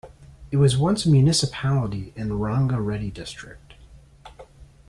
It was once a Municipality in Ranga Reddy district.